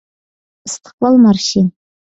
ئىستىقلال مارشى